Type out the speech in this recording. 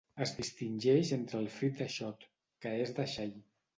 Es distingeix entre el frit de xot, que és de xai